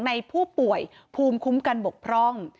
ในผู้ป่วยภูมิคุ้มกันบกพร่อง